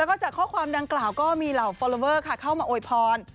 แล้วก็จากข้อความดังกล่าวก็มีเหล่าฟอลลอเวอร์ค่ะเข้ามาอวยพร